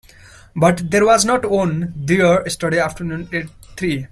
But there was not one there yesterday afternoon at three.